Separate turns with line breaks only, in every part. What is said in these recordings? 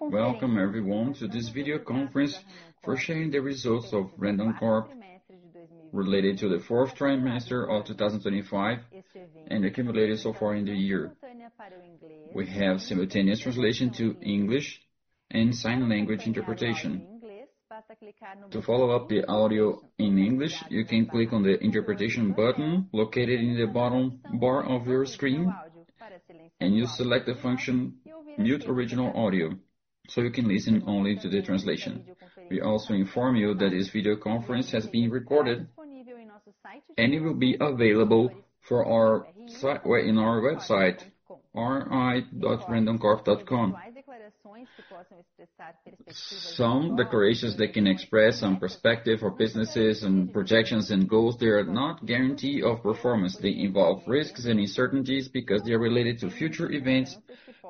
Welcome everyone to this video conference for sharing the results of Randoncorp related to the fourth trimester of 2025 and accumulated so far in the year. We have simultaneous translation to English and sign language interpretation. To follow up the audio in English, you can click on the interpretation button located in the bottom bar of your screen, and you select the function Mute Original Audio, so you can listen only to the translation. We also inform you that this video conference has been recorded and it will be available on our website, ri.randoncorp.com. Some declarations that can express some perspective for businesses and projections and goals, they are not guarantee of performance. They involve risks and uncertainties because they are related to future events.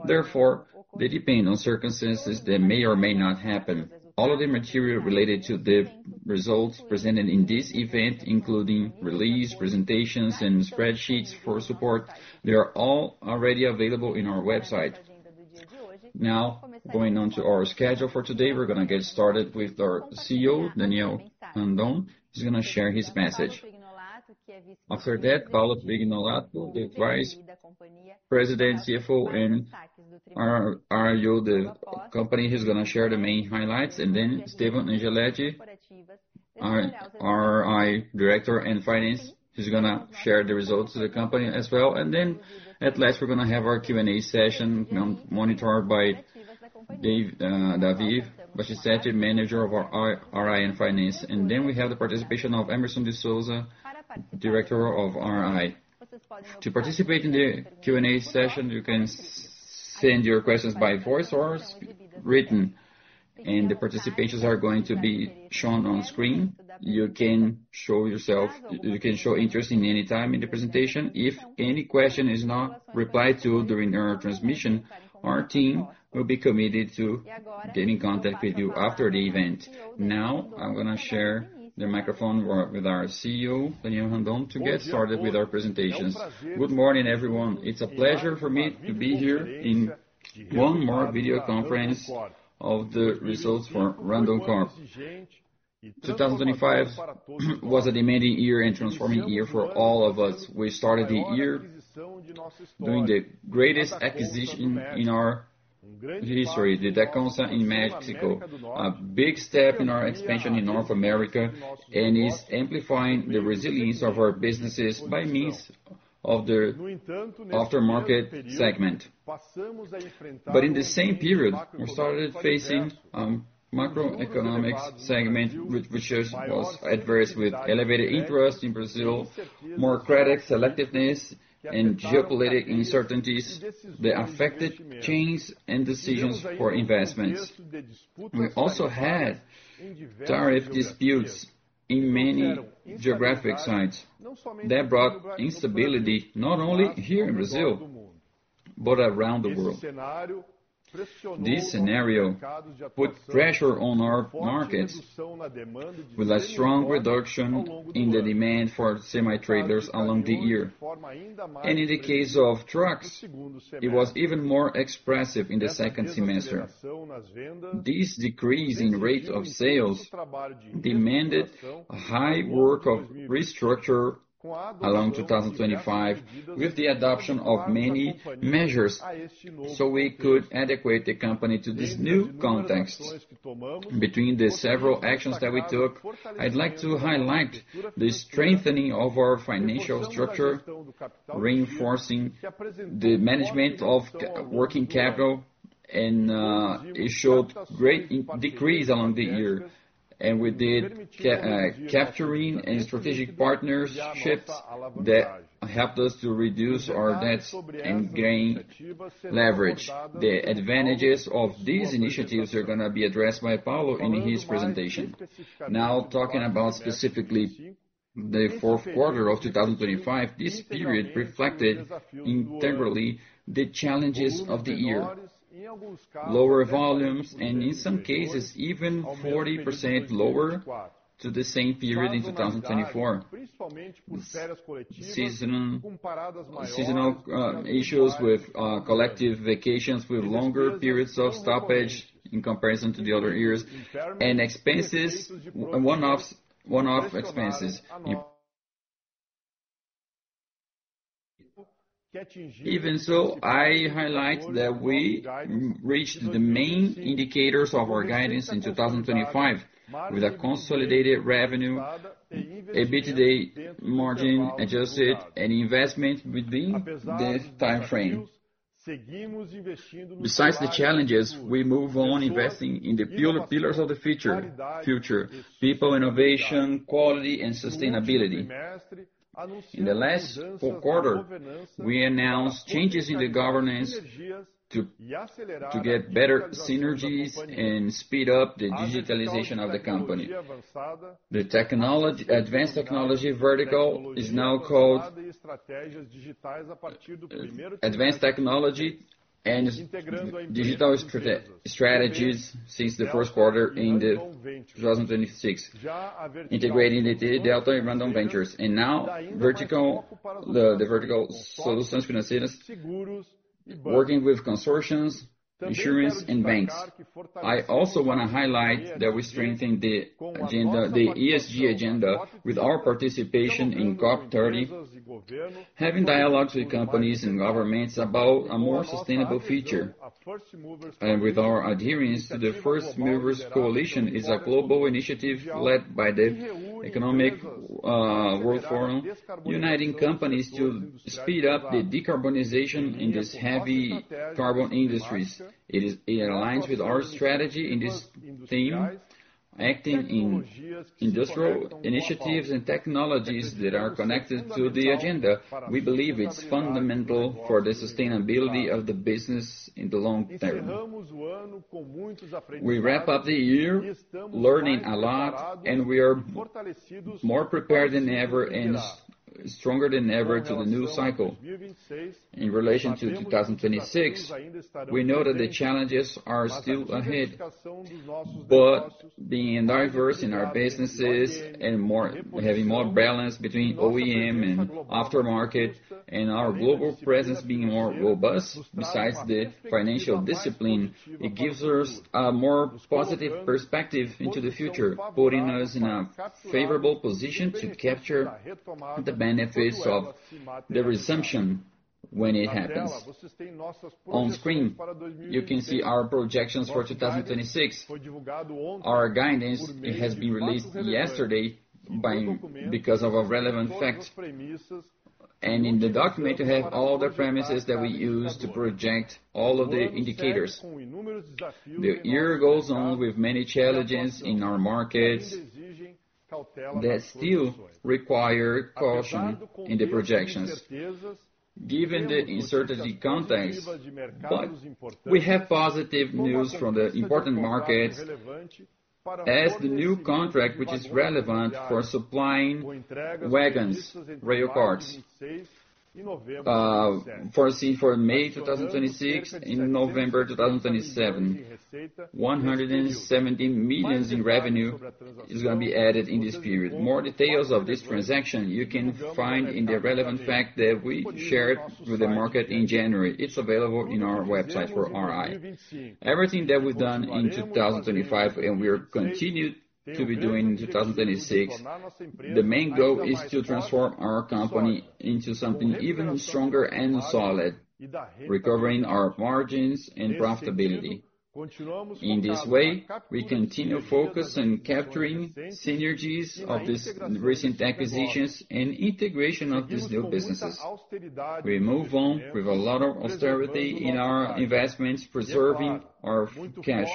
Therefore, they depend on circumstances that may or may not happen. All of the material related to the results presented in this event, including release, presentations, and spreadsheets for support, they are all already available in our website. Now, going on to our schedule for today, we're gonna get started with our CEO, Daniel Randon. He's gonna share his message. After that, Paulo Prignolato, the Vice President, CFO, and IRO of the company, he's gonna share the main highlights. Esteban Angeletti, our RI Director in Finance, he's gonna share the results of the company as well. At last, we're gonna have our Q&A session monitored by Davi Bacichette, manager of our RI and finance. We have the participation of Emerson de Souza, Director of RI. To participate in the Q&A session, you can send your questions by voice or written, and the participations are going to be shown on screen. You can show interest at any time in the presentation. If any question is not replied to during our presentation, our team will be committed to getting in contact with you after the event. Now, I'm gonna share the microphone with our CEO, Daniel Randon, to get started with our presentations.
Good morning, everyone. It's a pleasure for me to be here in one more video conference of the results for Randoncorp. 2025 was a demanding year and transforming year for all of us. We started the year doing the greatest acquisition in our history, the Dacomsa in Mexico, a big step in our expansion in North America, and is amplifying the resilience of our businesses by means of the aftermarket segment. In the same period, we started facing macroeconomic environment which was adverse with elevated interest rates in Brazil, more credit selectivity and geopolitical uncertainties that affected supply chains and decisions for investments. We also had tariff disputes in many geographies that brought instability not only here in Brazil, but around the world. This scenario put pressure on our markets with a strong reduction in the demand for semi-trailers throughout the year. In the case of trucks, it was even more expressive in the second semester. This decrease in rate of sales demanded a high work of restructuring throughout 2025 with the adoption of many measures, so we could adapt the company to this new context. Between the several actions that we took, I'd like to highlight the strengthening of our financial structure, reinforcing the management of working capital and it showed great decrease along the year. We did capturing and strategic partnerships that helped us to reduce our debts and gain leverage. The advantages of these initiatives are gonna be addressed by Paulo in his presentation. Now, talking about specifically the fourth quarter of 2025, this period reflected integrally the challenges of the year. Lower volumes, and in some cases, even 40% lower than the same period in 2024. Seasonal issues with collective vacations with longer periods of stoppage in comparison to the other years, and one-off expenses. Even so, I highlight that we reached the main indicators of our guidance in 2025 with a consolidated revenue, EBITDA margin adjusted and investment within the time frame. Besides the challenges, we move on investing in the pillars of the future: people, innovation, quality, and sustainability. In the last quarter, we announced changes in the governance to get better synergies and speed up the digitalization of the company. The advanced technology vertical is now called Advanced Technology and Digital Strategies since the first quarter in 2026, integrating the Delta and Randon Ventures. And now vertical, the vertical solutions finances working with consortiums, insurance and banks. I also wanna highlight that we strengthen the ESG agenda with our participation in COP30, having dialogues with companies and governments about a more sustainable future. With our adherence to the First Movers Coalition is a global initiative led by the World Economic Forum, uniting companies to speed up the decarbonization in this heavy carbon industries. It aligns with our strategy in this theme, acting in industrial initiatives and technologies that are connected to the agenda. We believe it's fundamental for the sustainability of the business in the long term. We wrap up the year learning a lot, and we are more prepared than ever and stronger than ever to the new cycle. In relation to 2026, we know that the challenges are still ahead, but being diverse in our businesses, having more balance between OEM and aftermarket and our global presence being more robust, besides the financial discipline, it gives us a more positive perspective into the future, putting us in a favorable position to capture the benefits of the resumption when it happens. On screen, you can see our projections for 2026. Our guidance has been released yesterday because of a relevant fact. In the document, you have all the premises that we use to project all of the indicators. The year goes on with many challenges in our markets that still require caution in the projections given the uncertainty context. We have positive news from the important markets as the new contract which is relevant for supplying wagons, rail cars, foreseen for May 2026 and November 2027. 170 million in revenue is gonna be added in this period. More details of this transaction you can find in the relevant fact that we shared with the market in January. It's available in our website for RI. Everything that we've done in 2025 and we're continued to be doing in 2026, the main goal is to transform our company into something even stronger and solid, recovering our margins and profitability. In this way, we continue focused on capturing synergies of these recent acquisitions and integration of these new businesses. We move on with a lot of austerity in our investments, preserving our cash.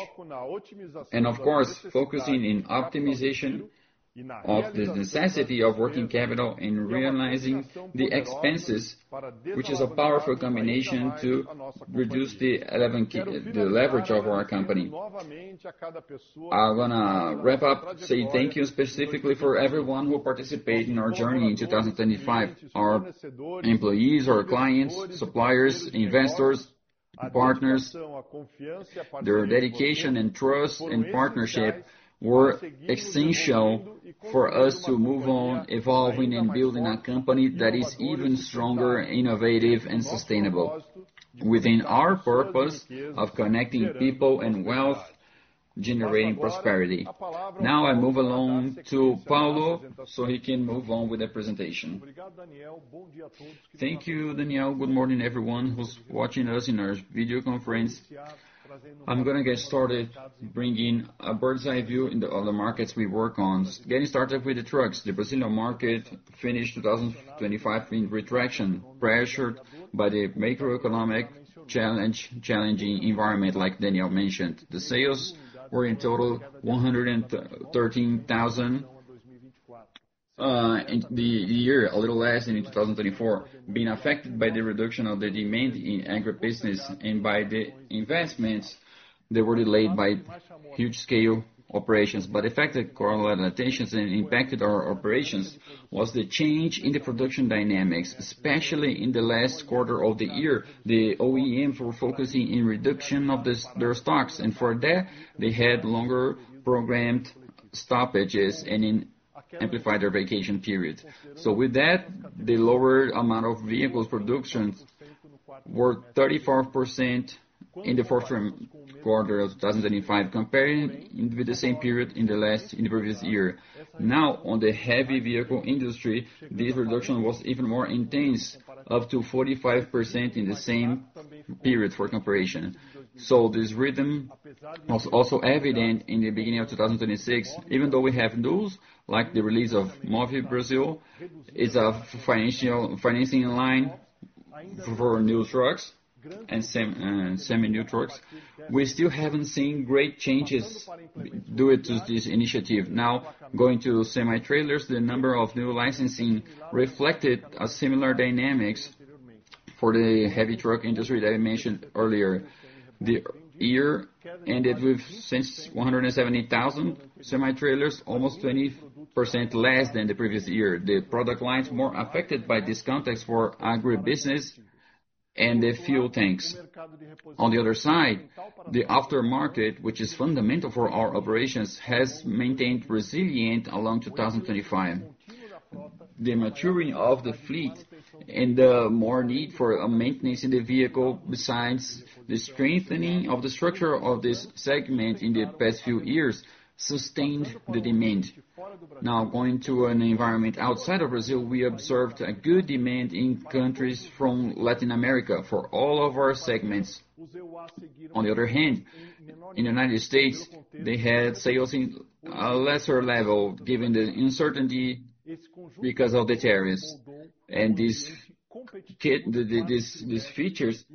Of course, focusing on optimization of the necessity of working capital and rationalizing the expenses, which is a powerful combination to reduce the leverage of our company. I wanna wrap up, say thank you specifically for everyone who participated in our journey in 2025. Our employees, our clients, suppliers, investors, partners, their dedication and trust and partnership were essential for us to move on, evolving and building a company that is even stronger, innovative and sustainable within our purpose of connecting people and wealth, generating prosperity. Now, I move along to Paulo, so he can move on with the presentation.
Thank you, Daniel. Good morning, everyone who's watching us in our video conference. I'm gonna get started bringing a bird's-eye view of the markets we work on. Getting started with the trucks. The Brazilian market finished 2025 in retraction, pressured by the macroeconomic challenging environment, like Daniel mentioned. The sales were in total 113,000 in the year, a little less than in 2024, being affected by the reduction of the demand in agribusiness and by the investments that were delayed by huge scale operations. The fact that correlations impacted our operations was the change in the production dynamics, especially in the last quarter of the year. The OEM were focusing on the reduction of their stocks, and for that they had longer programmed stoppages and then amplified their vacation period. With that, the lower amount of vehicle production was 34% in the fourth quarter of 2025 compared with the same period in the previous year. Now, on the heavy vehicle industry, this reduction was even more intense, up to 45% in the same period for comparison. This rhythm was also evident in the beginning of 2026, even though we have news like the release of Mover Brasil. It's a financing line for new trucks and semi new trucks. We still haven't seen great changes due to this initiative. Now going to semi-trailers, the number of new licensing reflected a similar dynamics for the heavy truck industry that I mentioned earlier. The year ended with 170,000 semi-trailers, almost 20% less than the previous year. The product line is more affected by this context for agribusiness and the fuel tanks. On the other side, the aftermarket, which is fundamental for our operations, has maintained resilient along 2025. The maturing of the fleet and the more need for a maintenance in the vehicle, besides the strengthening of the structure of this segment in the past few years, sustained the demand. Now going to an environment outside of Brazil, we observed a good demand in countries from Latin America for all of our segments. On the other hand, in the United States, they had sales in a lesser level, given the uncertainty because of the tariffs. These features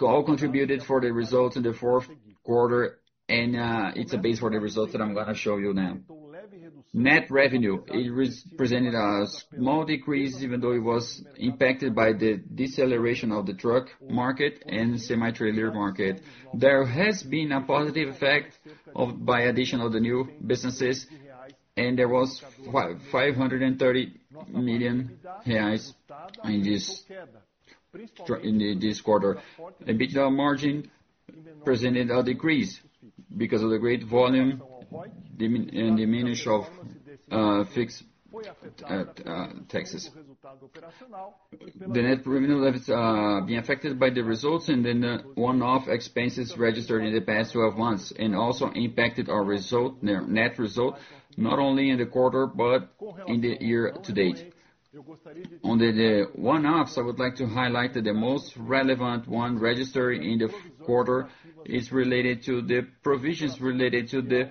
all contributed for the results in the fourth quarter, and it's a base for the results that I'm gonna show you now. Net revenue, it represented a small decrease even though it was impacted by the deceleration of the truck market and semi-trailer market. There has been a positive effect from the addition of the new businesses, and there was 530 million reais in this quarter. EBITDA margin presented a decrease because of the great volume of fixed taxes. The net revenue levels being affected by the results and then the one-off expenses registered in the past 12 months and also impacted our result, net result, not only in the quarter but in the year to date. Under the one-offs, I would like to highlight that the most relevant one registered in the quarter is related to the provisions related to the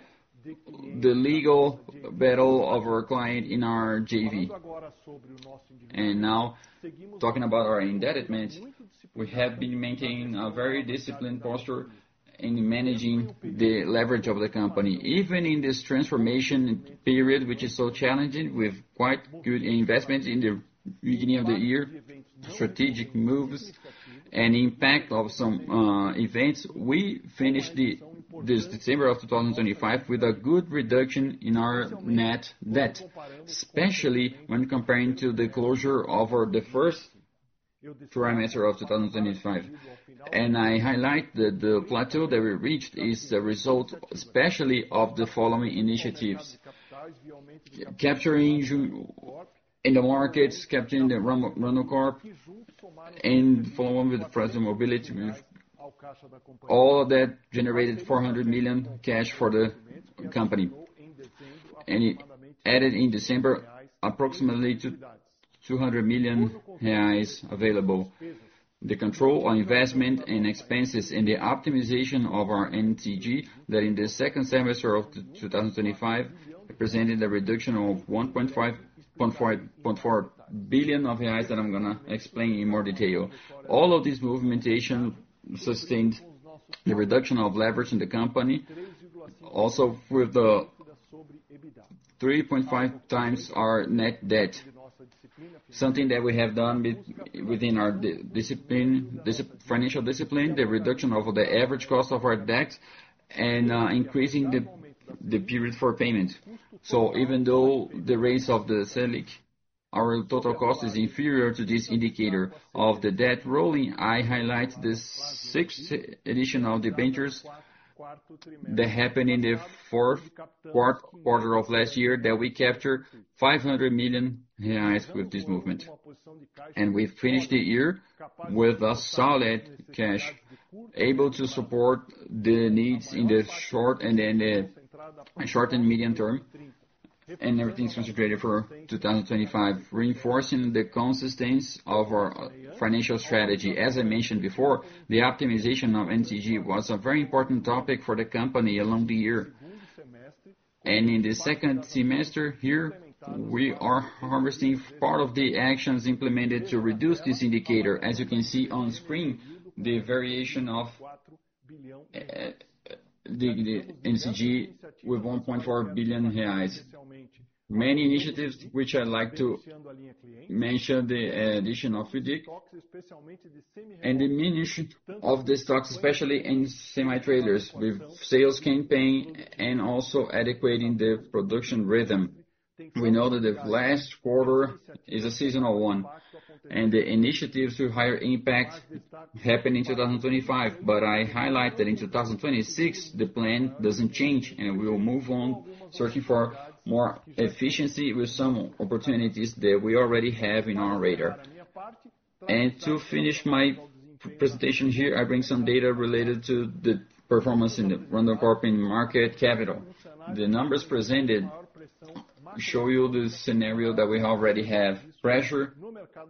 legal battle of our client in our JV. Now, talking about our indebtedness, we have been maintaining a very disciplined posture in managing the leverage of the company. Even in this transformation period, which is so challenging, with quite good investment in the beginning of the year, strategic moves and impact of some events, we finished this December 2025 with a good reduction in our net debt, especially when comparing to the closure of the first quarter of 2025. I highlight that the plateau that we reached is a result especially of the following initiatives. Capturing in the markets, capturing the Randoncorp and following with the Frasle Mobility move. All of that generated 400 million cash for the company. It added in December approximately 200 million reais available. The control on investment and expenses and the optimization of our NCG that in the second semester of 2025 represented a reduction of 1.54 billion that I'm gonna explain in more detail. All of this movementation sustained the reduction of leverage in the company, also with the 3.5x our net debt. Something that we have done with, within our financial discipline, the reduction of the average cost of our debt and increasing the period for payment. Even though the rates of the Selic, our total cost is inferior to this indicator of the debt rolling, I highlight the sixth additional debentures that happened in the fourth quarter of last year that we capture 500 million reais with this movement. We finished the year with a solid cash, able to support the needs in the short and medium term. Everything's concentrated for 2025, reinforcing the consistency of our financial strategy. As I mentioned before, the optimization of NCG was a very important topic for the company along the year. In the second semester here, we are harvesting part of the actions implemented to reduce this indicator. As you can see on screen, the variation of the NCG with 1.4 billion reais. Many initiatives which I like to mention the addition of FIDC and the reduction of the stocks, especially in semi-trailers with sales campaign and also adjustment in the production rhythm. We know that the last quarter is a seasonal one, and the initiatives with higher impacts happened in 2025. I highlight that in 2026, the plan doesn't change, and we will move on searching for more efficiency with some opportunities that we already have in our radar. To finish my presentation here, I bring some data related to the performance in the Randoncorp in market capital. The numbers presented show you the scenario that we already have. Pressure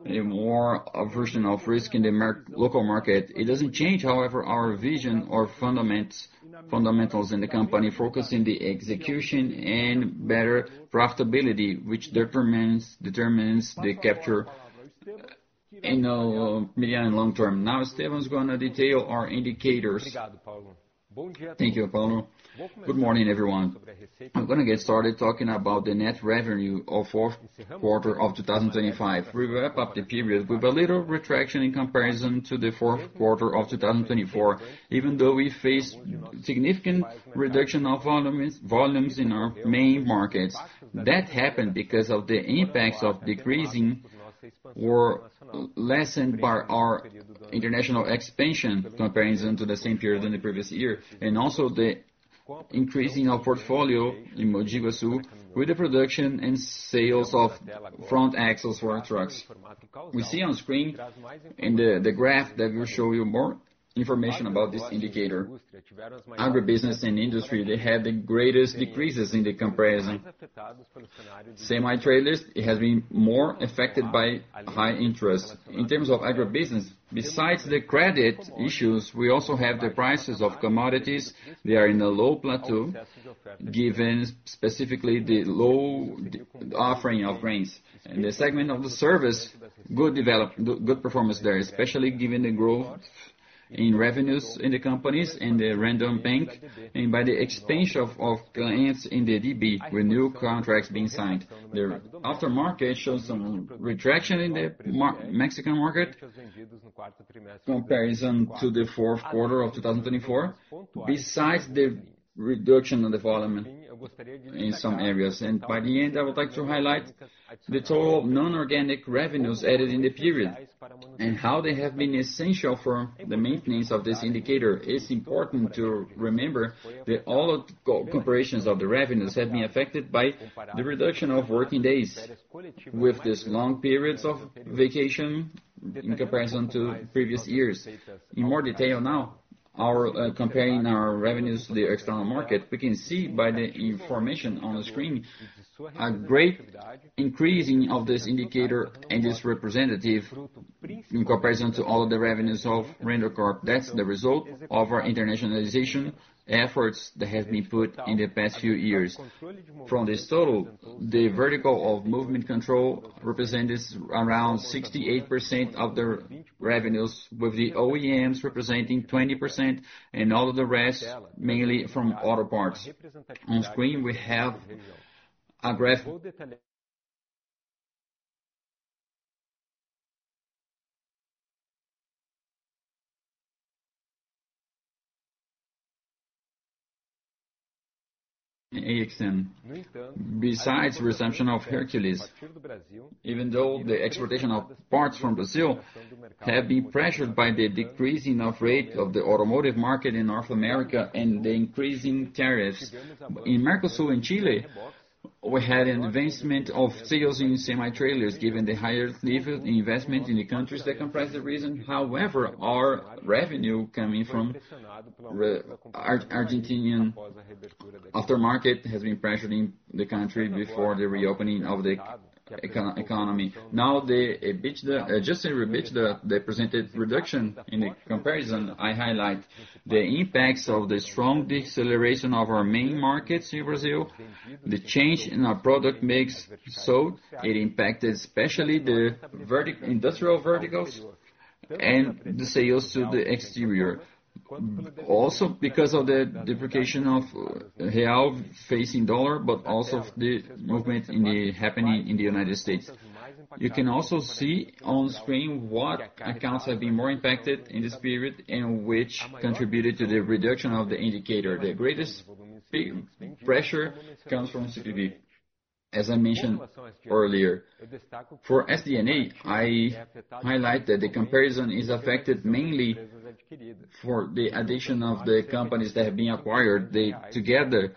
and more aversion of risk in the local market. It doesn't change, however, our vision or fundamentals in the company, focusing the execution and better profitability, which determines the capture. Now, medium and long term. Now Esteban's gonna detail our indicators.
Thank you, Paulo. Good morning, everyone. I'm gonna get started talking about the net revenue of fourth quarter of 2025. We wrap up the period with a little contraction in comparison to the fourth quarter of 2024, even though we face significant reduction of volumes in our main markets. That happened because of the impacts of decreasing were lessened by our international expansion comparison to the same period in the previous year, and also the increase in our portfolio in Mogi das Cruzes with the production and sales of front axles for trucks. We see on screen the graph that will show you more information about this indicator. Agribusiness and industry, they had the greatest decreases in the comparison. Semi-trailers, it has been more affected by high interest. In terms of agribusiness, besides the credit issues, we also have the prices of commodities. They are in a low plateau, given specifically the low offering of grains. In the segment of the service, good performance there, especially given the growth in revenues in the companies and the Banco Randon, and by the expansion of clients in the DB, with new contracts being signed. The aftermarket shows some retraction in the Mexican market compared to the fourth quarter of 2024. Besides the reduction in the volume in some areas. By the end, I would like to highlight the total non-organic revenues added in the period and how they have been essential for the maintenance of this indicator. It's important to remember that all operations of the revenues have been affected by the reduction of working days with these long periods of vacation in comparison to previous years. In more detail now, comparing our revenues to the external market, we can see by the information on the screen a great increase of this indicator and its representative in comparison to all of the revenues of Randoncorp. That's the result of our internationalization efforts that have been put in the past few years. From this total, the vertical of movement control represents around 68% of the revenues, with the OEMs representing 20% and all of the rest mainly from auto parts. On screen, we have a graphic. AXN. Besides acquisition of Hercules, even though the exportation of parts from Brazil have been pressured by the decreasing rate of the automotive market in North America and the increasing tariffs. In Mercosul and Chile, we had an advancement of sales in semi-trailers given the higher level investment in the countries that comprise the region. However, our revenue coming from Argentinian aftermarket has been pressured in the country before the reopening of the economy. Now, the adjusted EBITDA presented reduction in the comparison. I highlight the impacts of the strong deceleration of our main markets in Brazil, the change in our product mix sold, it impacted especially the agri-industrial verticals and the sales to the exterior. Also because of the depreciation of real facing dollar, but also the movement happening in the United States. You can also see on screen what accounts have been more impacted in this period and which contributed to the reduction of the indicator. The greatest pressure comes from CBD, as I mentioned earlier. For SG&A, I highlight that the comparison is affected mainly for the addition of the companies that have been acquired. They, together,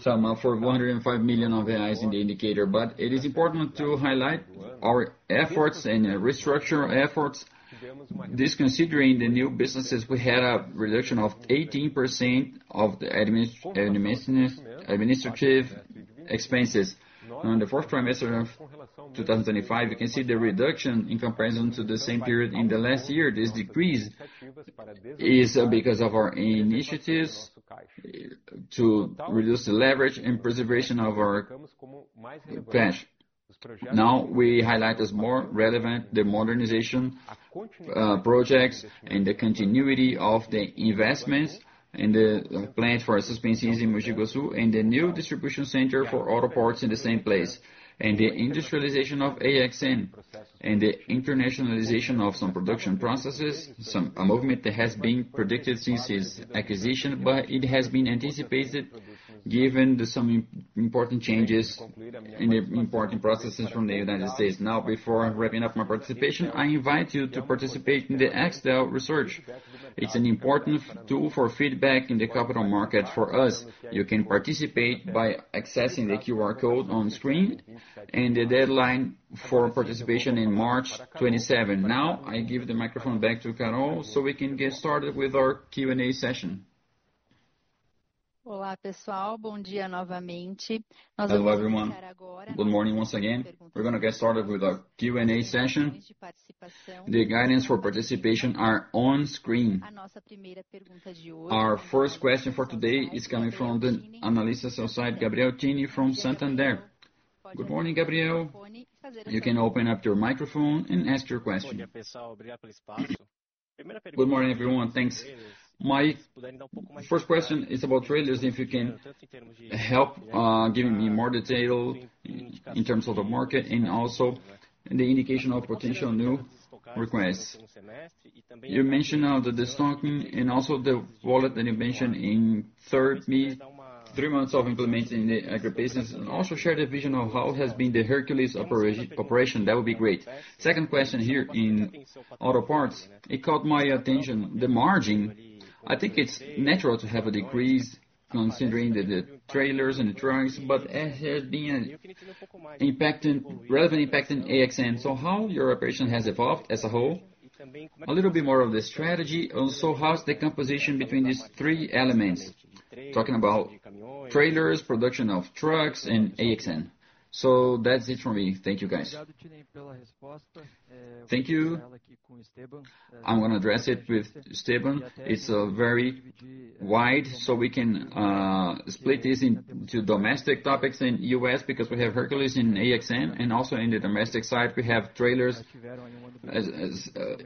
sum up for 105 million of reais in the indicator. It is important to highlight our efforts and structural efforts. Disconsidering the new businesses, we had a reduction of 18% of the administrative expenses. On the fourth quarter of 2025, you can see the reduction in comparison to the same period in the last year. This decrease is because of our initiatives to reduce the leverage and preservation of our cash. We highlight as more relevant the modernization projects and the continuity of the investments in the plant for suspensions in Mogi das Cruzes and the new distribution center for auto parts in the same place, and the industrialization of AXN and the internationalization of some production processes, a movement that has been predicted since its acquisition, but it has been anticipated given some important changes in the processes from the United States. Before wrapping up my participation, I invite you to participate in the Excel research. It's an important tool for feedback in the capital market for us. You can participate by accessing the QR code on screen and the deadline for participation is March 27. I give the microphone back to Carol so we can get started with our Q&A session.
Hello, everyone. Good morning once again. We're gonna get started with our Q&A session. The guidelines for participation are on screen. Our first question for today is coming from the analyst associate Gabriel Chini from Santander.
Good morning, Gabriel. You can open up your microphone and ask your question.
Good morning, everyone. Thanks. My first question is about trailers, if you can help give me more detail in terms of the market and also the indication of potential new requests. You mentioned now the de-stocking and also the wallet that you mentioned in three months of implementing the agri business, and also share the vision of how has been the Hercules operation? That would be great. Second question here in auto parts, it caught my attention, the margin. I think it's natural to have a decrease considering the trailers and the trucks, but it had been relevant impact in AXN. So how your operation has evolved as a whole? A little bit more of the strategy. How's the composition between these three elements, talking about trailers, production of trucks and AXN? That's it from me. Thank you, guys.
Thank you. I'm gonna address it with Esteban. It's very wide, so we can split this into domestic topics in U.S. because we have Hercules in AXN and also in the domestic side, we have trailers as.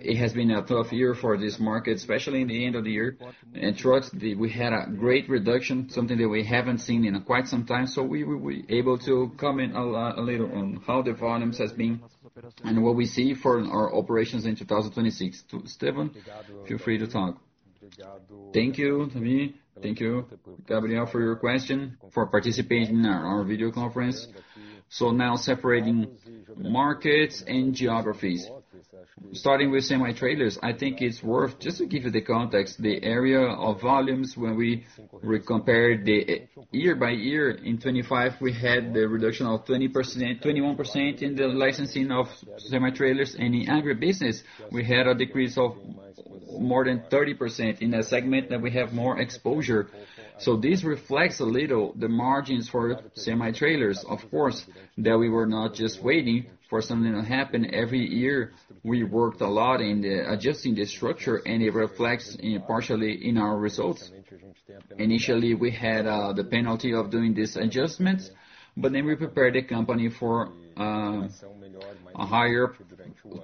It has been a tough year for this market, especially in the end of the year. In trucks, we had a great reduction, something that we haven't seen in quite some time. We able to comment a little on how the volumes has been and what we see for our operations in 2026. To Esteban, feel free to talk.
Thank you, Davi. Thank you, Gabriel, for your question, for participating in our video conference. Now separating markets and geographies. Starting with semi-trailers, I think it's worth just to give you the context, the area of volumes when we re-compare the year-by-year. In 2025, we had the reduction of 21% in the licensing of semi-trailers and in agri business. We had a decrease of more than 30% in a segment that we have more exposure. This reflects a little the margins for semi-trailers, of course, that we were not just waiting for something to happen. Every year, we worked a lot in the adjusting the structure, and it reflects partially in our results. Initially, we had the penalty of doing this adjustment, but then we prepared the company for a higher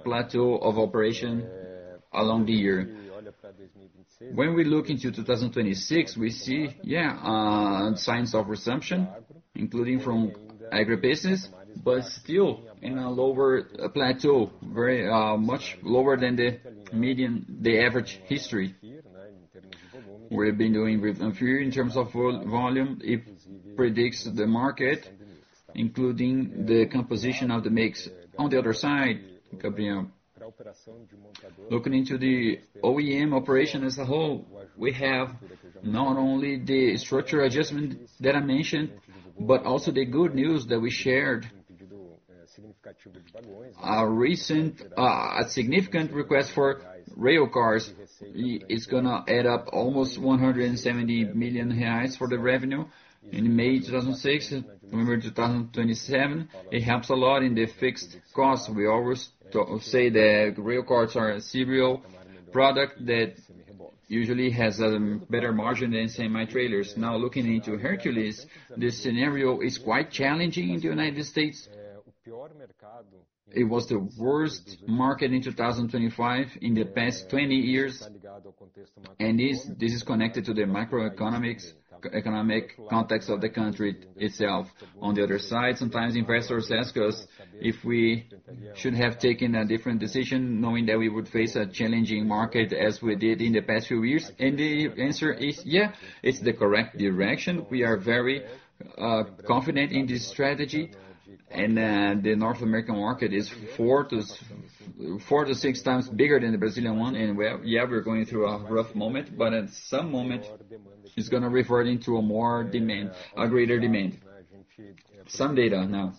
plateau of operation along the year. When we look into 2026, we see signs of resumption, including from agribusiness, but still in a lower plateau, very much lower than the median, the average historical. We've been dealing with inferior in terms of volume, it precedes the market, including the composition of the mix. On the other side, Gabriel, looking into the OEM operation as a whole, we have not only the structural adjustment that I mentioned, but also the good news that we shared. Our recent, a significant request for rail cars is gonna add up almost 170 million reais for the revenue. In May 2026, November 2027, it helps a lot in the fixed costs. We always say that rail cars are a serial product that usually has a better margin than semi-trailers. Now, looking into Hercules, this scenario is quite challenging in the United States. It was the worst market in 2025 in the past 20 years, and this is connected to the economic context of the country itself. On the other side, sometimes investors ask us if we should have taken a different decision, knowing that we would face a challenging market as we did in the past few years. The answer is yeah, it's the correct direction. We are very confident in this strategy. The North American market is 4-6 times bigger than the Brazilian one. Well, yeah, we're going through a rough moment, but at some moment, it's gonna revert into a greater demand. Some data now.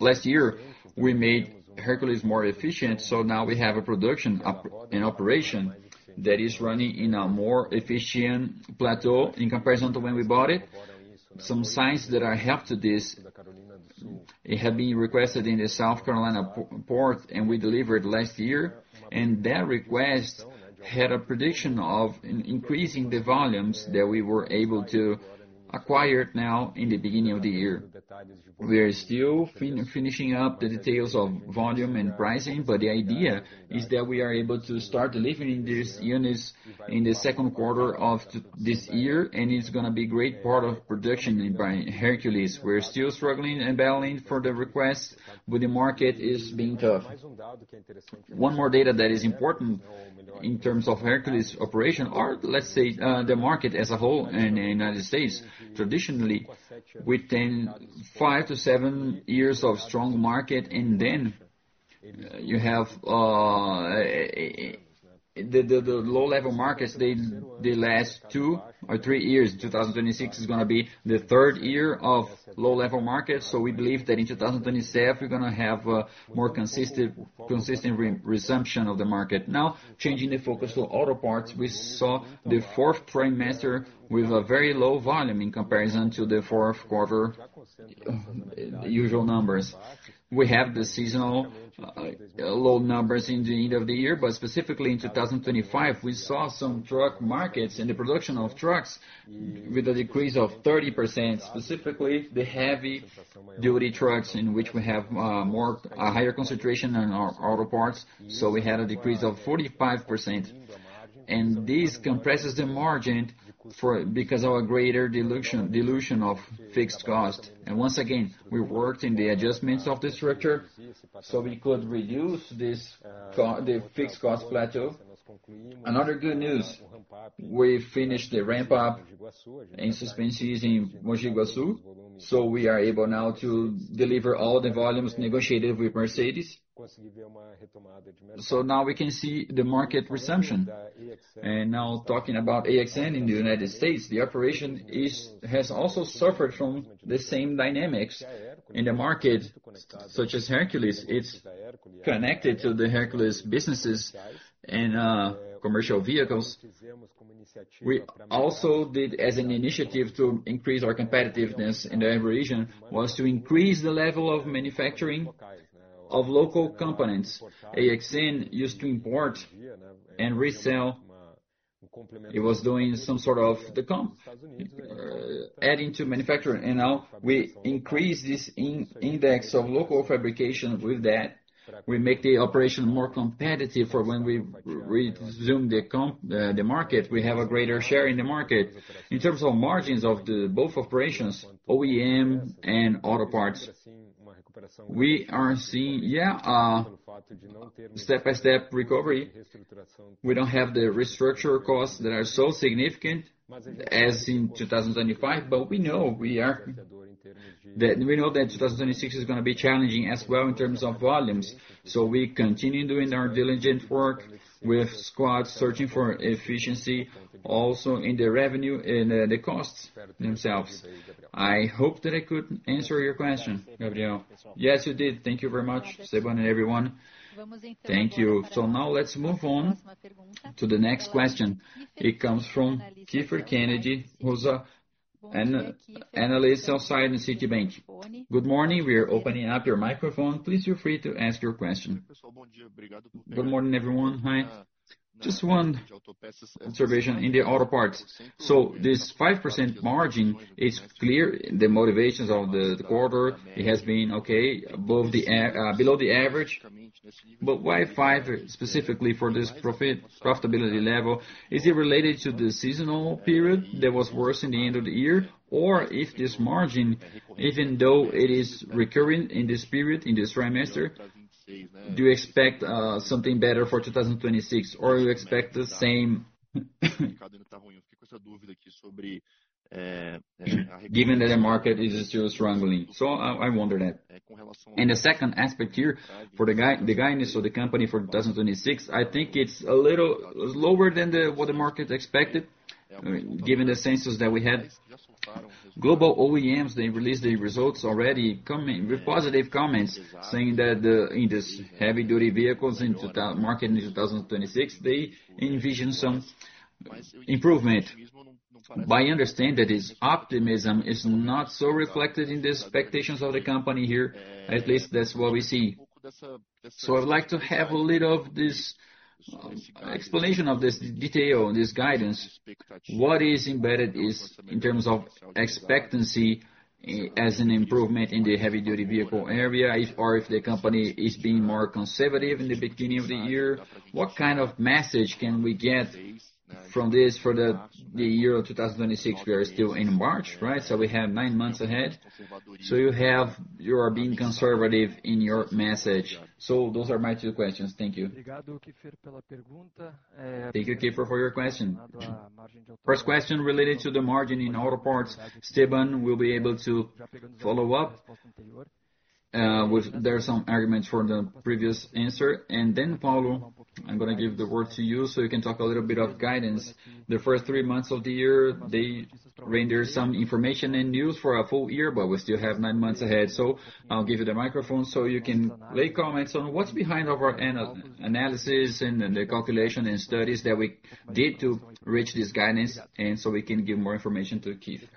Last year, we made Hercules more efficient, so now we have a production operation that is running in a more efficient plateau in comparison to when we bought it. Some things that have helped this. It had been requested in the South Carolina port, and we delivered last year. That request had a prediction of increasing the volumes that we were able to acquire now in the beginning of the year. We are still finishing up the details of volume and pricing, but the idea is that we are able to start delivering these units in the second quarter of this year, and it's gonna be great part of production by Hercules. We're still struggling and battling for the requests, but the market is being tough. One more data that is important in terms of Hercules operation are, let's say, the market as a whole in United States. Traditionally, within five-seven years of strong market, and then you have the low-level markets, they last two or three years. 2026 is gonna be the third year of low-level market. We believe that in 2027, we're gonna have a more consistent resumption of the market. Now, changing the focus to auto parts, we saw the fourth quarter with a very low volume in comparison to the fourth quarter usual numbers. We have the seasonal low numbers in the end of the year, but specifically in 2025, we saw some truck markets and the production of trucks with a decrease of 30%, specifically the heavy-duty trucks in which we have a higher concentration on our auto parts. We had a decrease of 45%. This compresses the margin for because of a greater dilution of fixed cost. Once again, we worked in the adjustments of the structure, so we could reduce the fixed cost plateau. Another good news, we finished the ramp up in suspension in Mogi Guaçu. We are able now to deliver all the volumes negotiated with Mercedes. Now we can see the market resumption. Now talking about AXN in the United States, the operation has also suffered from the same dynamics in the market such as Hercules. It's connected to the Hercules businesses and commercial vehicles. We also did as an initiative to increase our competitiveness in the region was to increase the level of manufacturing of local components. AXN used to import and resell. It was doing some sort of the adding to manufacturing. Now we increase this index of local fabrication. With that, we make the operation more competitive for when we resume the market, we have a greater share in the market. In terms of margins of the both operations, OEM and auto parts, we are seeing step-by-step recovery. We don't have the restructure costs that are so significant as in 2025, but we know that 2026 is gonna be challenging as well in terms of volumes. We continue doing our diligent work with squads searching for efficiency also in the revenue and the costs themselves. I hope that I could answer your question, Gabriel.
Yes, you did. Thank you very much, Esteban and everyone.
Thank you. Now let's move on to the next question. It comes from Kiepher Kennedy, Analyst at Citibank.
Good morning. We are opening up your microphone. Please feel free to ask your question.
Good morning, everyone. Hi. Just one observation in the auto parts. This 5% margin is clear. The margin of the quarter, it has been okay below the average. Why five specifically for this profitability level? Is it related to the seasonal period that was worse in the end of the year? Or if this margin, even though it is recurring in this period, in this trimester, do you expect something better for 2026, or you expect the same? Given that the market is still struggling. I wonder that. The second aspect here for the guidance of the company for 2026, I think it's a little lower than what the market expected, given the consensus that we had? Global OEMs, they released the results already coming with positive comments, saying that in this heavy-duty vehicles market in 2026, they envision some improvement. I understand that this optimism is not so reflected in the expectations of the company here. At least that's what we see. I'd like to have a little of this explanation of this detail, this guidance. What is embedded in terms of expectancy as an improvement in the heavy-duty vehicle area or if the company is being more conservative in the beginning of the year? What kind of message can we get from this for the year of 2026? We are still in March, right? You are being conservative in your message. Those are my two questions. Thank you.
Thank you, Kiepher, for your question. First question related to the margin in auto parts, Esteban will be able to follow up with there are some arguments from the previous answer.
Paulo, I'm gonna give the word to you, so you can talk a little bit of guidance. The first three months of the year, they render some information and news for a full year, but we still have nine months ahead. I'll give you the microphone, so you can lay comments on what's behind our analysis and the calculation and studies that we did to reach this guidance, and so we can give more information to Kiepher.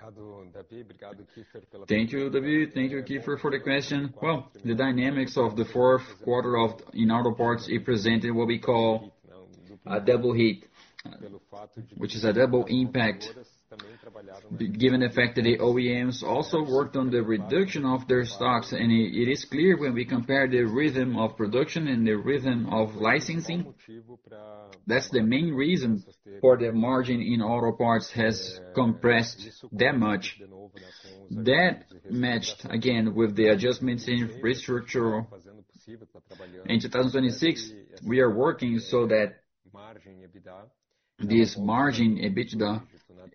Thank you, Davi. Thank you, Kiepher, for the question. Well, the dynamics of the fourth quarter in auto parts, it presented what we call a double hit, which is a double impact. Given the fact that the OEMs also worked on the reduction of their stocks, and it is clear when we compare the rhythm of production and the rhythm of licensing. That's the main reason for the margin in auto parts has compressed that much. That matched again with the adjustments in restructure. In 2026, we are working so that this EBITDA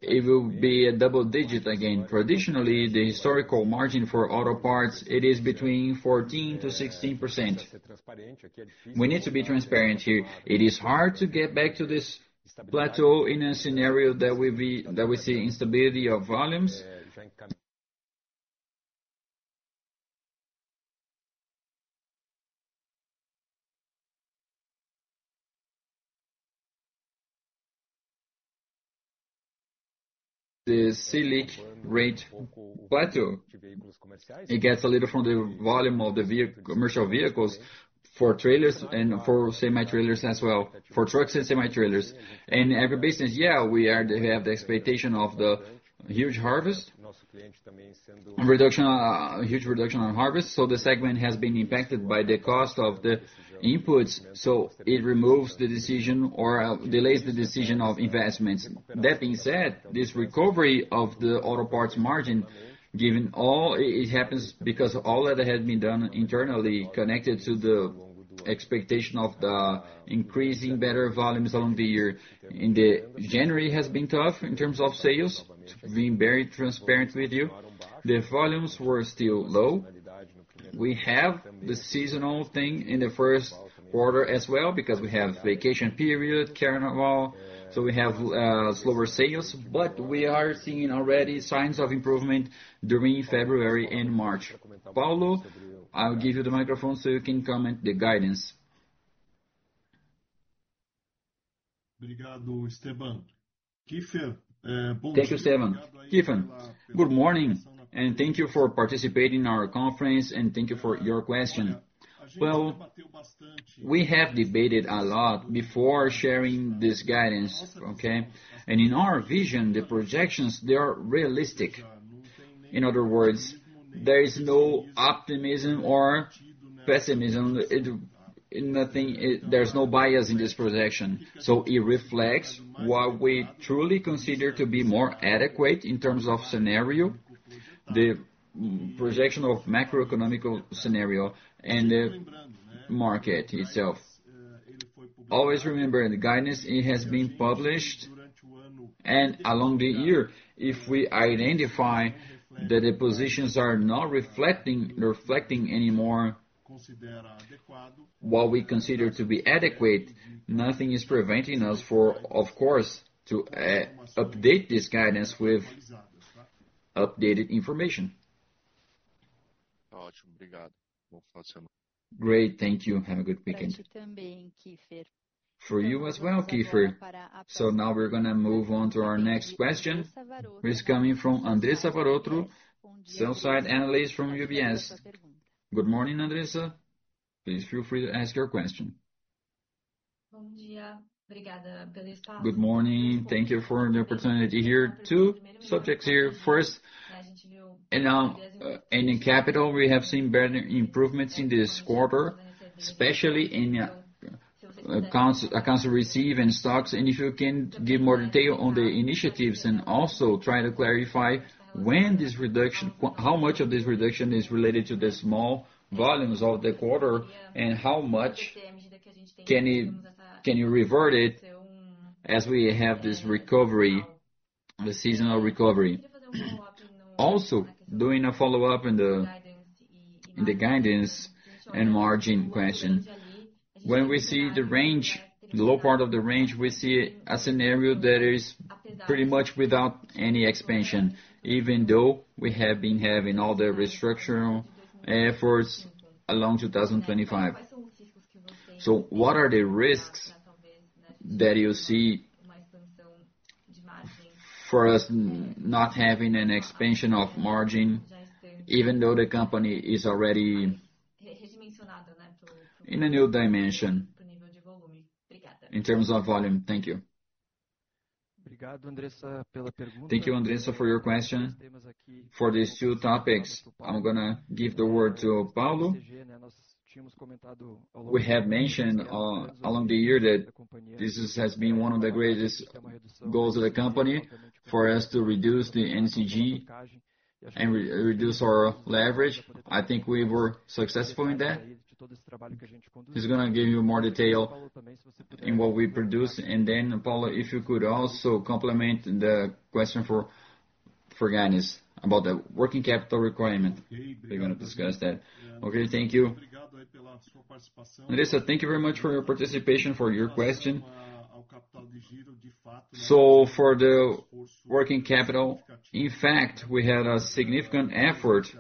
margin, it will be double-digit again. Traditionally, the historical margin for auto parts, it is between 14%-16%. We need to be transparent here. It is hard to get back to this plateau in a scenario that we see instability of volumes. The Selic rate plateau, it gets a little from the volume of the heavy commercial vehicles. For trailers and for semi-trailers as well, for trucks and semi-trailers. Agribusiness, They have the expectation of the huge harvest. Reduction, huge reduction on harvest. So the segment has been impacted by the cost of the inputs, so it removes the decision or delays the decision of investments. That being said, this recovery of the auto parts margin, given all it happens because all that had been done internally connected to the expectation of the increasing better volumes along the year. In January has been tough in terms of sales, to be very transparent with you. The volumes were still low. We have the seasonal thing in the first quarter as well because we have vacation period, Carnival, so we have slower sales, but we are seeing already signs of improvement during February and March. Paulo, I'll give you the microphone so you can comment the guidance.
Thank you, Esteban. Kiepher, good morning, and thank you for participating in our conference, and thank you for your question. Well, we have debated a lot before sharing this guidance, okay? In our vision, the projections, they are realistic. In other words, there is no optimism or pessimism. There's no bias in this projection. It reflects what we truly consider to be more adequate in terms of scenario, the projection of macroeconomic scenario and the market itself. Always remember, the guidance, it has been published and along the year, if we identify that the positions are not reflecting any more what we consider to be adequate, nothing is preventing us, of course, to update this guidance with updated information.
Great. Thank you. Have a good weekend.
For you as well, Kiepher. Now we're gonna move on to our next question. It's coming from Andressa Varotto, Sell-side Analyst from UBS. Good morning, Andressa. Please feel free to ask your question.
Good morning. Thank you for the opportunity here. Two subjects here. In working capital, we have seen better improvements in this quarter, especially in accounts receivable and stocks. If you can give more detail on the initiatives and also try to clarify how much of this reduction is related to the small volumes of the quarter and how much can you revert it as we have this recovery, the seasonal recovery? Also, doing a follow-up on the guidance and margin question. When we see the range, the low part of the range, we see a scenario that is pretty much without any expansion, even though we have been having all the structural efforts along 2025. What are the risks that you see for us not having an expansion of margin, even though the company is already in a new dimension in terms of volume? Thank you.
Thank you, Andressa, for your question. For these two topics, I'm gonna give the word to Paulo. We have mentioned along the year that this has been one of the greatest goals of the company, for us to reduce the NCG and reduce our leverage. I think we were successful in that. He's gonna give you more detail in what we produced. And then, Paulo, if you could also complement the question for guidance about the working capital requirement. We're gonna discuss that.
Okay, thank you. Andressa, thank you very much for your participation, for your question. For the working capital, in fact, we had a significant effort.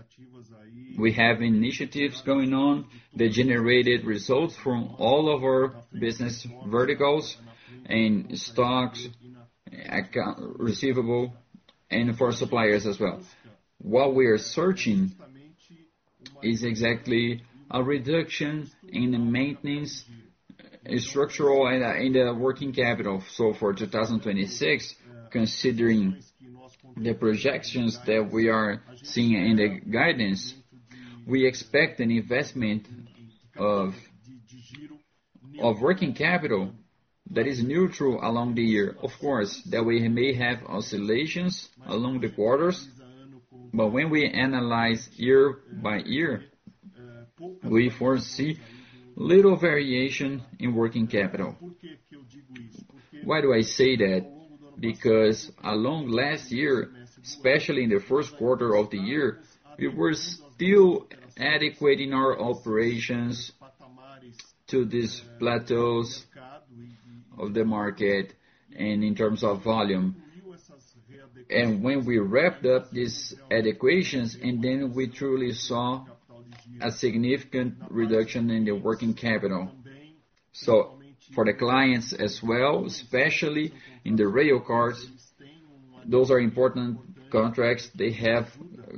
We have initiatives going on that generated results from all of our business verticals and stocks, accounts receivable, and for suppliers as well. What we are searching is exactly a reduction in the maintenance structural and in the working capital. For 2026, considering the projections that we are seeing in the guidance, we expect an investment of working capital that is neutral along the year. Of course, we may have oscillations along the quarters, but when we analyze year by year, we foresee little variation in working capital. Why do I say that? Because along last year, especially in the first quarter of the year, we were still adapting our operations to these plateaus of the market and in terms of volume. When we wrapped up these adequately and then we truly saw a significant reduction in the working capital. For the clients as well, especially in the rail cars, those are important contracts. They have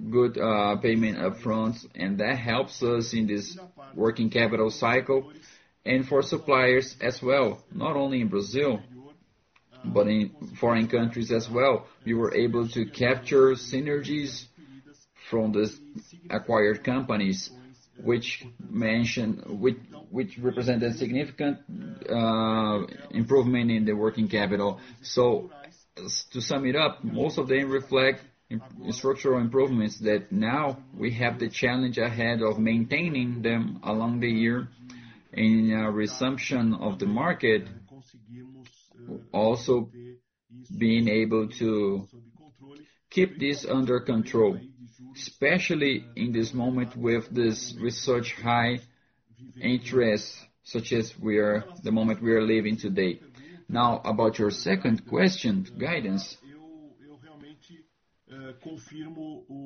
good payment upfront, and that helps us in this working capital cycle. For suppliers as well, not only in Brazil, but in foreign countries as well. We were able to capture synergies from these acquired companies, which represent a significant improvement in the working capital. To sum it up, most of them reflect structural improvements that now we have the challenge ahead of maintaining them along the year and a resumption of the market, also being able to keep this under control, especially in this moment with such high interest, such as the moment we are living today. Now, about your second question, guidance.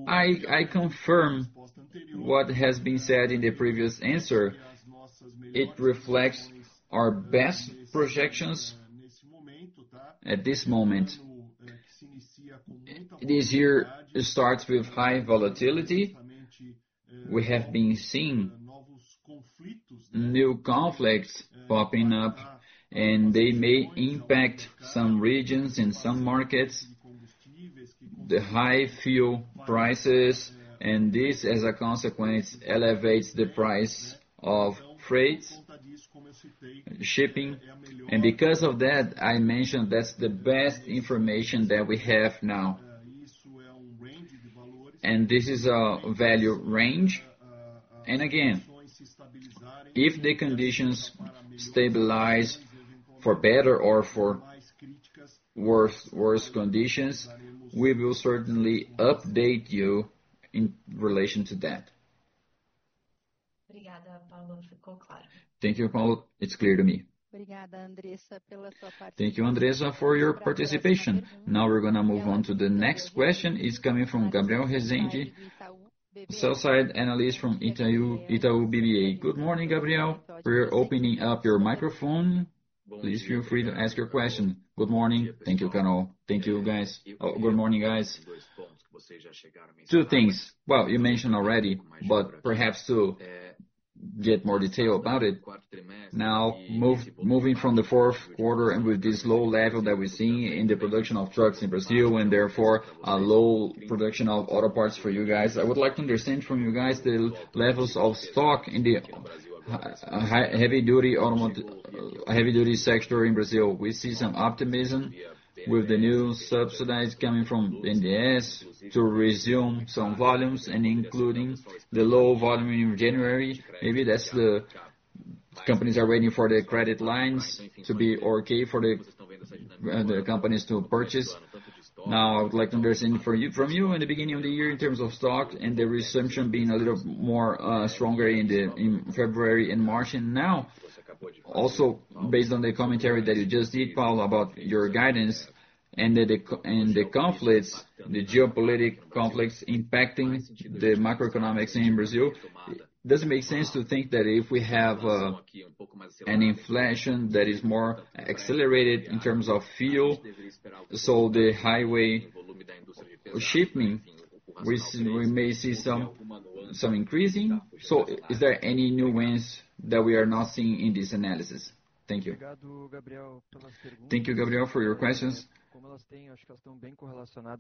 I confirm what has been said in the previous answer. It reflects our best projections at this moment. This year, it starts with high volatility. We have been seeing new conflicts popping up, and they may impact some regions and some markets. The high fuel prices, and this, as a consequence, elevates the price of freights, shipping. Because of that, I mentioned that's the best information that we have now. This is a value range. Again, if the conditions stabilize for better or for worse conditions, we will certainly update you in relation to that.
Thank you, Paulo. It's clear to me.
Thank you, Andressa, for your participation. Now we're gonna move on to the next question. It's coming from Gabriel Rezende, sell-side analyst from Itaú BBA.
Good morning, Gabriel. We're opening up your microphone. Please feel free to ask your question.
Good morning. Thank you, Carol. Thank you, guys. Good morning, guys. Two things. Well, you mentioned already, but perhaps to get more detail about it. Now, moving from the fourth quarter and with this low level that we're seeing in the production of trucks in Brazil, and therefore a low production of auto parts for you guys, I would like to understand from you guys the levels of stock in the heavy duty sector in Brazil? We see some optimism with the new subsidies coming from BNDES to resume some volumes, and including the low volume in January. Maybe that's companies are waiting for the credit lines to be okay for the companies to purchase. Now, I would like to understand from you in the beginning of the year in terms of stock and the resumption being a little more stronger in February and March. Now, also based on the commentary that you just did, Paulo, about your guidance and the conflicts, the geopolitical conflicts impacting the macroeconomics in Brazil, does it make sense to think that if we have an inflation that is more accelerated in terms of fuel, so the highway shipping, we may see some increasing. Is there any new wins that we are not seeing in this analysis? Thank you.
Thank you, Gabriel, for your questions.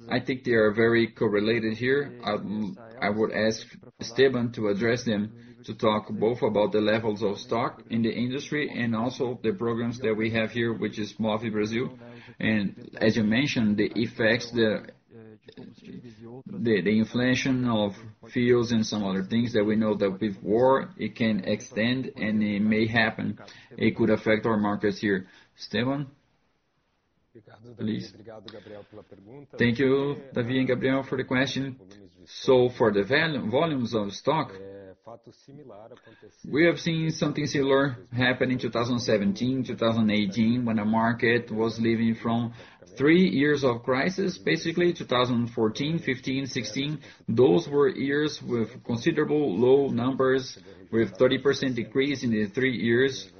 I think they are very correlated here. I would ask Esteban to address them to talk both about the levels of stock in the industry and also the programs that we have here, which is Mover Brasil. As you mentioned, the effects, the inflation of fuels and some other things that we know that with war, it can extend, and it may happen. It could affect our markets here. Esteban, please.
Thank you, Davi and Gabriel, for the question. For the volumes of stock, we have seen something similar happen in 2017, 2018, when the market was leaving from three years of crisis, basically 2014, 2015, 2016. Those were years with considerably low numbers, with 30% decrease in the three years,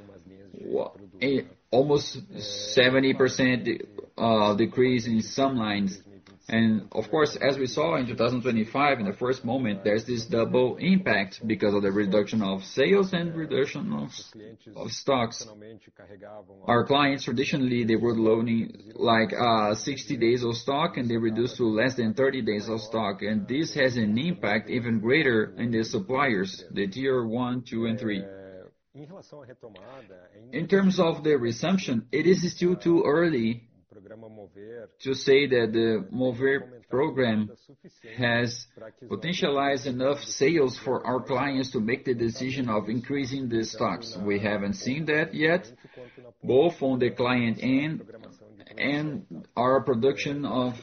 almost 70% decrease in some lines. Of course, as we saw in 2025, in the first moment, there's this double impact because of the reduction of sales and reduction of stocks. Our clients, traditionally, they were loading like 60 days of stock, and they reduced to less than 30 days of stock. This has an impact even greater on the suppliers, the tier one, two, and three. In terms of the resumption, it is still too early to say that the Mover program has potentialized enough sales for our clients to make the decision of increasing the stocks. We haven't seen that yet, both on the client end and our production of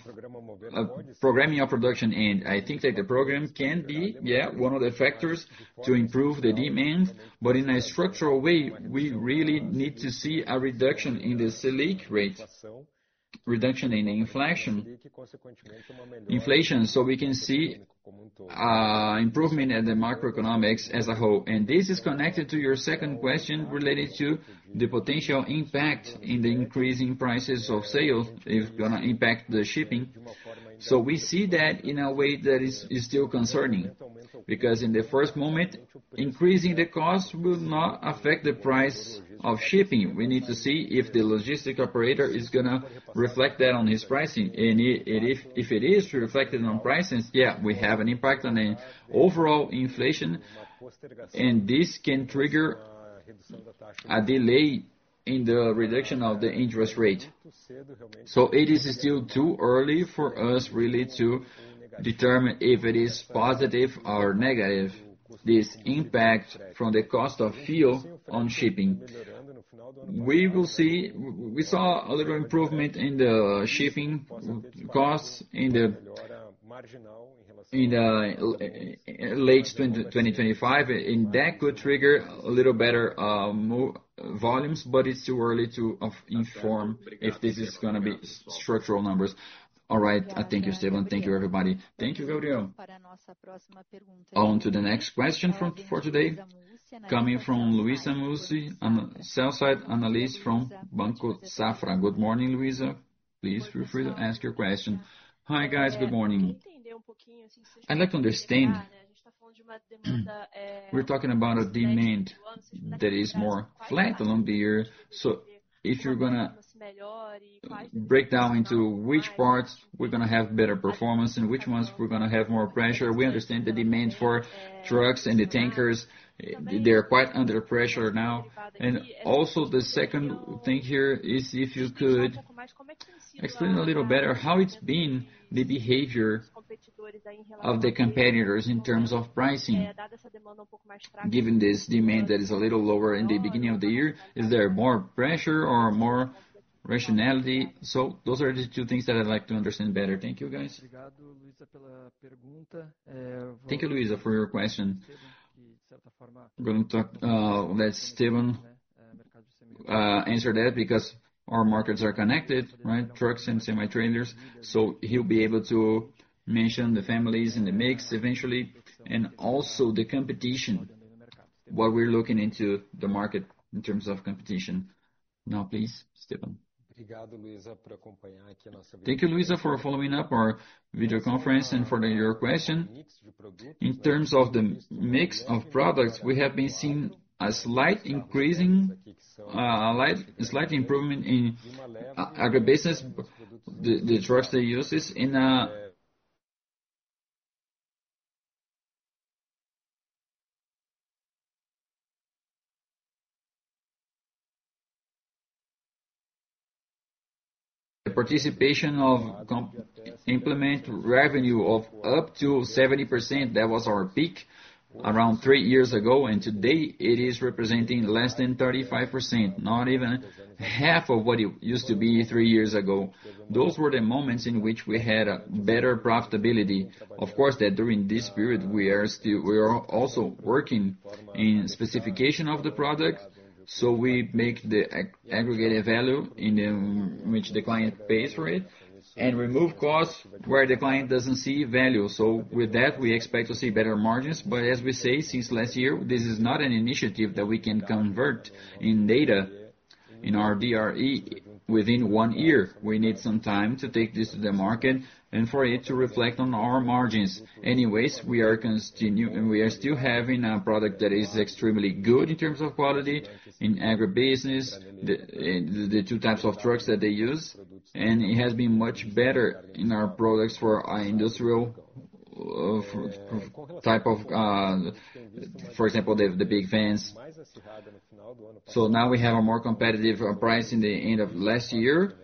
programming of production end. I think that the program can be, yeah, one of the factors to improve the demand. In a structural way, we really need to see a reduction in the Selic rate. Reduction in inflation. Inflation, so we can see, improvement in the macroeconomics as a whole. This is connected to your second question related to the potential impact in the increasing prices of sales is gonna impact the shipping. We see that in a way that is still concerning, because in the first moment, increasing the cost will not affect the price of shipping. We need to see if the logistics operator is gonna reflect that on his pricing. If it is reflected on pricing, yeah, we have an impact on the overall inflation, and this can trigger a delay in the reduction of the interest rate. It is still too early for us really to determine if it is positive or negative, this impact from the cost of fuel on shipping. We will see. We saw a little improvement in the shipping costs in the, in, late 2020, 2025, and that could trigger a little better, more volumes, but it's too early to inform if this is gonna be structural numbers.
All right. Thank you, Esteban. Thank you, everybody.
Thank you, Gabriel.
On to the next question for today, coming from Luiza Mussi, a Sell-side Analyst from Banco Safra. Good morning, Luiza. Please feel free to ask your question.
Hi, guys. Good morning. I'd like to understand. We're talking about a demand that is more flat along the year, so if you're gonna break down into which parts we're gonna have better performance and which ones we're gonna have more pressure? We understand the demand for trucks and the tankers; they're quite under pressure now. The second thing here is if you could explain a little better how it's been the behavior of the competitors in terms of pricing, given this demand that is a little lower in the beginning of the year? Is there more pressure or more rationality? Those are the two things that I'd like to understand better. Thank you, guys.
Thank you, Luiza, for your question. We're gonna talk, let Esteban answer that because our markets are connected, right? Trucks and semi-trailers. He'll be able to mention the families and the mix eventually, and also the competition, what we're looking into the market in terms of competition. Now, please, Esteban.
Thank you, Luiza Mussi, for following up our video conference and for your question. In terms of the mix of products, we have been seeing a slight improvement in agribusiness, the trucks they use in. The participation of implement revenue of up to 70%, that was our peak around three years ago, and today it is representing less than 35%, not even half of what it used to be three years ago. Those were the moments in which we had a better profitability. Of course, during this period, we are also working in specification of the product, so we make the aggregated value in which the client pays for it, and remove costs where the client doesn't see value. With that, we expect to see better margins. As we say since last year, this is not an initiative that we can convert into data in our DRE within one year. We need some time to take this to the market and for it to reflect on our margins. Anyways, we are still having a product that is extremely good in terms of quality in agribusiness, the two types of trucks that they use, and it has been much better in our products for our industrial, for example, the big vans. Now we have a more competitive price in the end of last year,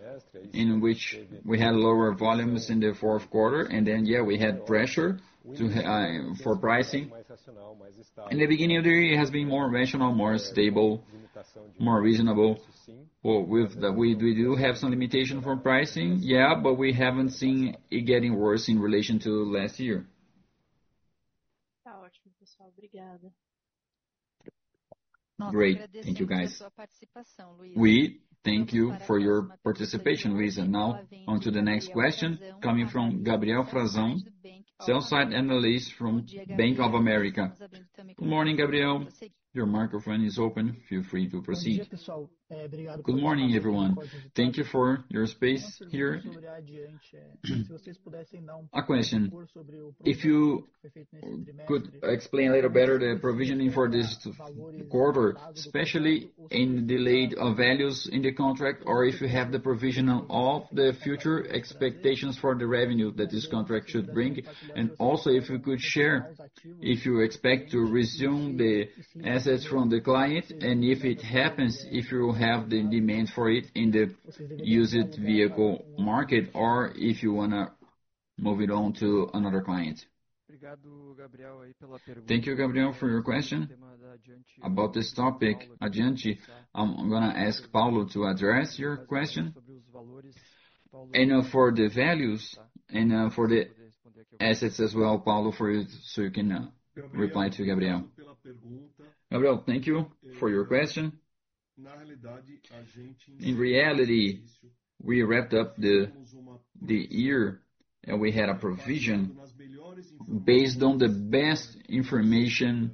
in which we had lower volumes in the fourth quarter, and then, yeah, we had pressure to for pricing. In the beginning of the year, it has been more rational, more stable, more reasonable. Well, we do have some limitation for pricing, yeah, but we haven't seen it getting worse in relation to last year.
Great. Thank you guys.
We thank you for your participation, Luiza. Now on to the next question coming from Gabriel Frazão, Sell-side Analyst from Bank of America. Good morning, Gabriel. Your microphone is open. Feel free to proceed.
Good morning, everyone. Thank you for your space here. A question. If you could explain a little better the provisioning for this quarter, especially in delayed values in the contract, or if you have the provision of the future expectations for the revenue that this contract should bring, and also if you could share if you expect to resume the assets from the client, and if it happens, if you have the demand for it in the used vehicle market, or if you wanna move it on to another client?
Thank you, Gabriel, for your question. About this topic, adiante, I'm gonna ask Paulo to address your question. For the values and for the assets as well, Paulo, for you so you can reply to Gabriel. Gabriel, thank you for your question.
In reality, we wrapped up the year and we had a provision based on the best information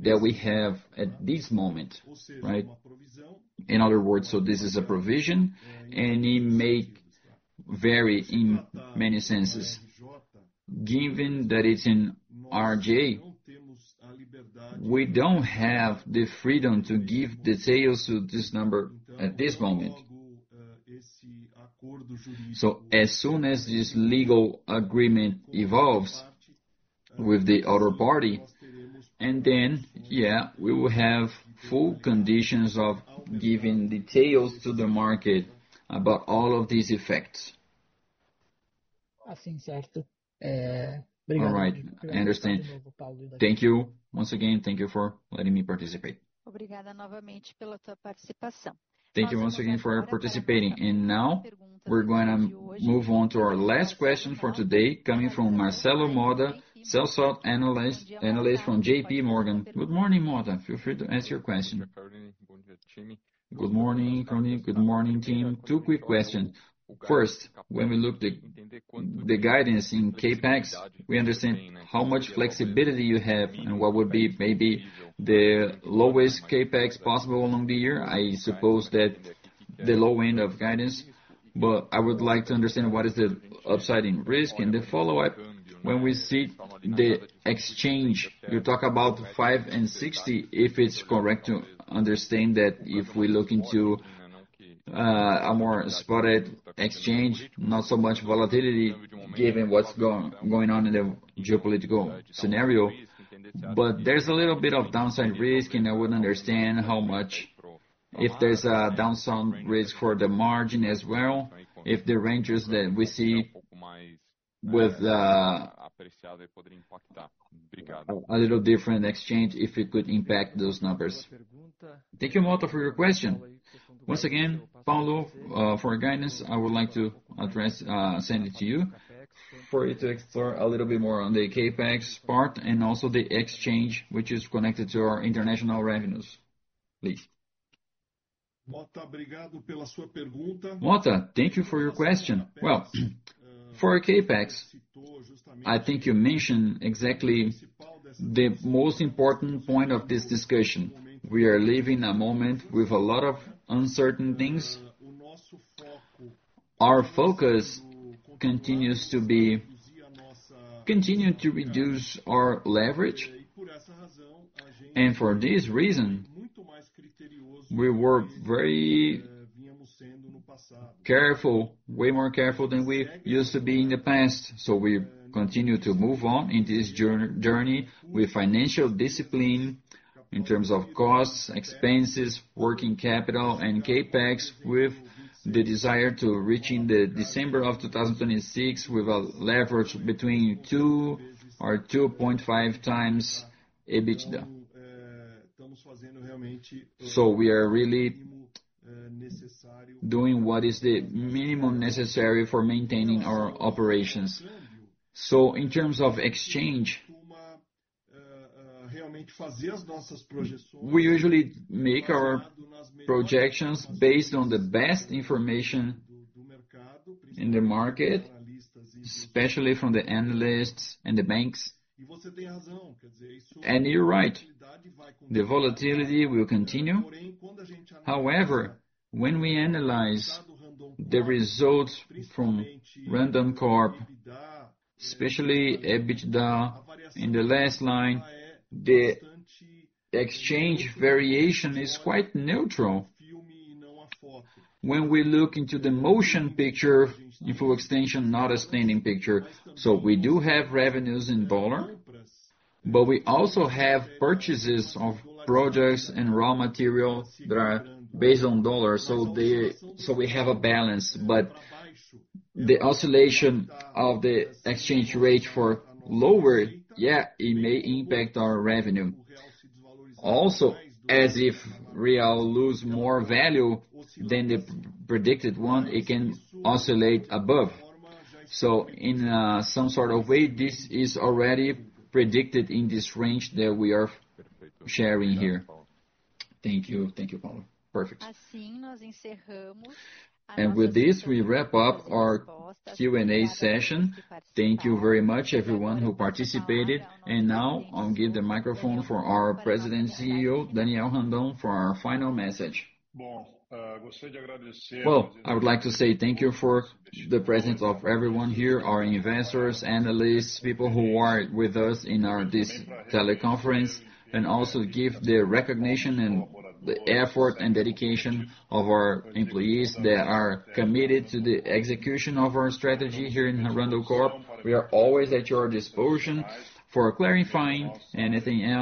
that we have at this moment, right? In other words, this is a provision, and it may vary in many senses. Given that it's in RJ, we don't have the freedom to give details to this number at this moment. As soon as this legal agreement evolves with the other party, and then, yeah, we will have full conditions of giving details to the market about all of these effects. All right. I understand. Thank you. Once again, thank you for letting me participate.
Thank you once again for participating. Now we're gonna move on to our last question for today, coming from Marcelo Motta, Sell-side Analyst from JPMorgan. Good morning, Motta. Feel free to ask your question.
Good morning, Caroline. Good morning, team. Two quick questions. First, when we look at the guidance in CapEx, we understand how much flexibility you have and what would be maybe the lowest CapEx possible along the year. I suppose that the low end of guidance, but I would like to understand what is the upside in risk? The follow-up, when we see the exchange, you talk about 5.60, if it's correct to understand that if we look into a more spot exchange, not so much volatility given what's going on in the geopolitical scenario? But there's a little bit of downside risk, and I would understand how much... If there's a downside risk for the margin as well, if the ranges that we see with a little different exchange, if it could impact those numbers?
Thank you, Motta, for your question. Once again, Paulo, for guidance, I would like to send it to you for you to explore a little bit more on the CapEx part and also the exchange, which is connected to our international revenues, please.
Motta, thank you for your question. Well, for CapEx, I think you mentioned exactly the most important point of this discussion. We are living a moment with a lot of uncertain things. Our focus continues to reduce our leverage. For this reason, we work very careful, way more careful than we used to be in the past. We continue to move on in this journey with financial discipline in terms of costs, expenses, working capital and CapEx, with the desire to reaching the December of 2026 with a leverage between 2x or 2.5x EBITDA. We are really doing what is the minimum necessary for maintaining our operations. In terms of exchange, we usually make our projections based on the best information in the market, especially from the analysts and the banks. You're right, the volatility will continue. However, when we analyze the results from Randoncorp, especially EBITDA in the last line, the exchange variation is quite neutral. When we look into the moving picture in full extension, not a static picture. We do have revenues in dollar, but we also have purchases of products and raw material that are based on dollars. We have a balance. The oscillation of the exchange rate to lower, it may impact our revenue. Also, as the real loses more value than the predicted one, it can oscillate above. In some sort of way, this is already predicted in this range that we are sharing here.
Thank you. Thank you, Paulo.
Perfect.
With this, we wrap up our Q&A session. Thank you very much everyone who participated. Now I'll give the microphone for our President and CEO, Daniel Randon, for our final message.
Well, I would like to say thank you for the presence of everyone here, our investors, analysts, people who are with us in this teleconference, and also give the recognition and the effort and dedication of our employees that are committed to the execution of our strategy here in Randoncorp. We are always at your disposal for clarifying anything else.